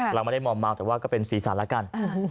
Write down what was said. เราไม่ได้มอมมากแต่ว่าก็เป็น๔สาระกัน